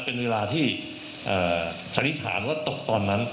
เป็นเวลาที่สันนิษฐานว่าตกตอนนั้น